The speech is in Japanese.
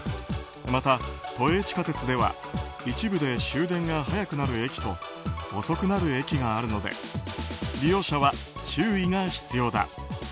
また、都営地下鉄では一部で終電が早くなる駅と遅くなる駅があるので利用者は注意が必要だ。